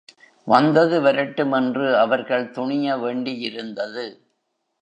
வந்தது வரட்டும் என்று அவர்கள் துணிய வேண்டியிருந்தது.